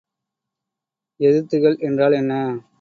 எதிர்த்துகள் என்றால் என்ன?